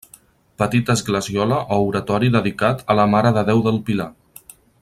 Petita esglesiola o oratori dedicat a la mare de Déu del Pilar.